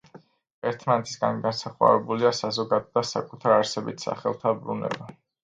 ერთმანეთისგან განსხვავებულია საზოგადო და საკუთარ არსებით სახელთა ბრუნება.